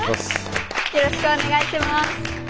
よろしくお願いします。